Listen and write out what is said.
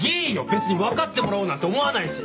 別に分かってもらおうなんて思わないし！